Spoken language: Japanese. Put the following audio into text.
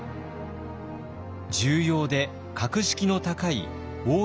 重要で格式の高い応永